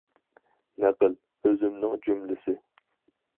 نەقىل: ئۆزۈمنىڭ جۈملىسى